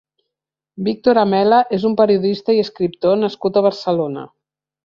Víctor Amela és un periodista i escriptor nascut a Barcelona.